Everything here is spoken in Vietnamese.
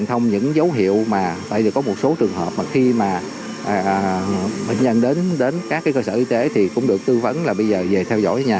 thông những dấu hiệu mà tại vì có một số trường hợp mà khi mà bệnh nhân đến các cơ sở y tế thì cũng được tư vấn là bây giờ về theo dõi nhà